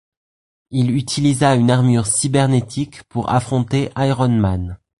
Il utilisa une armure cybernétique pour affronter Iron Man.